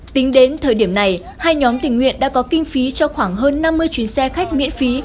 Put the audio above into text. tính đến thời điểm này hai nhóm tình nguyện đã có kinh phí cho khoảng hơn năm mươi chuyến xe khách miễn phí